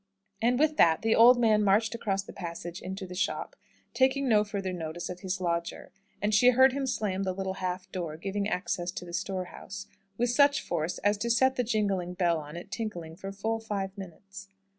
And with that the old man marched across the passage into the shop, taking no further notice of his lodger; and she heard him slam the little half door, giving access to the storehouse, with such force as to set the jingling bell on it tinkling for full five minutes.